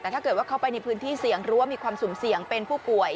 แต่ถ้าเกิดว่าเข้าไปในพื้นที่เสี่ยงหรือว่ามีความสุ่มเสี่ยงเป็นผู้ป่วย